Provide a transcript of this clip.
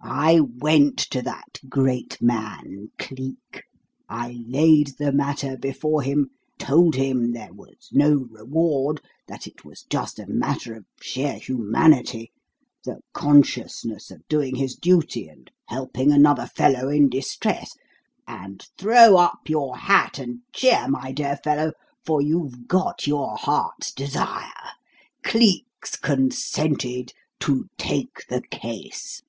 I went to that great man, Cleek. I laid the matter before him, told him there was no reward, that it was just a matter of sheer humanity the consciousness of doing his duty and helping another fellow in distress and, throw up your hat and cheer, my dear fellow, for you've got your heart's desire: Cleek's consented to take the case!"